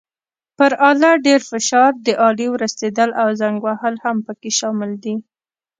پر آله ډېر فشار، د آلې ورستېدل او زنګ وهل هم پکې شامل دي.